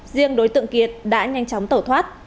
riêng đối tượng kiệt đã nhanh chóng tổ thoát